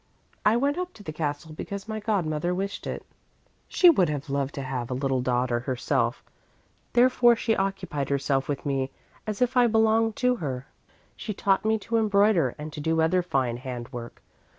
"I went up to the castle because my godmother wished it. She would have loved to have a little daughter herself, therefore she occupied herself with me as if I belonged to her. She taught me to embroider and to do other fine handwork.